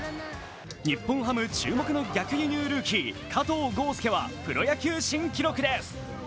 日本ハム注目の逆輸入ルーキー・加藤豪将はプロ野球新記録です。